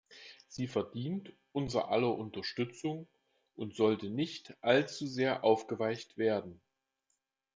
Sie verdient unser aller Unterstützung und sollte nicht allzu sehr aufgeweicht werden.